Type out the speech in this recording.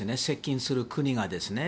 接近する国が。